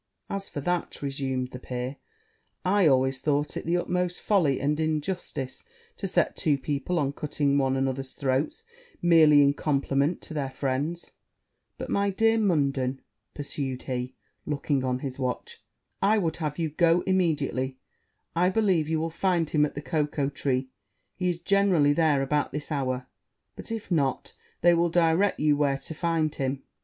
'As for that,' resumed the peer, 'I always thought it the utmost folly and injustice to set two people on cutting one another's throats, merely in compliment to their friends: but, my dear Munden,' pursued he, looking on his watch, 'I would have you go immediately; I believe you will find him at the Cocoa Tree; he is generally there about this hour but if not, they will direct you where to find him.'